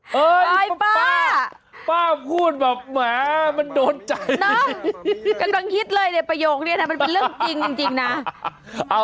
บ๊ายป้าป้าคุญแบบแหมมันโดนใจน้องต้องคิดเลยในประโยคเล่ากันเป็นเรื่องจริงนะ